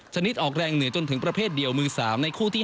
นิดออกแรงเหนือจนถึงประเภทเดียวมือ๓ในคู่ที่๒